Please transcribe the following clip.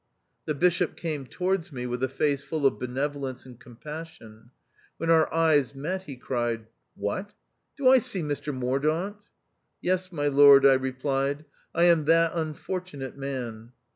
The Bishop came towards me with a face full of benevolence and compassion. "When our eyes met he cried, " What ! Do I see Mr Mordaunt ?"" Yes, my lord," I replied, "I am that un fortunate man."